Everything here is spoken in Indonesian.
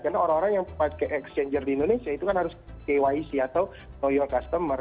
karena orang orang yang pakai exchanger di indonesia itu kan harus kyc atau toyo customer